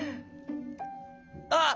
あっ！